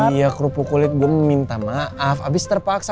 iya kerupuk kulit gue meminta maaf abis terpaksa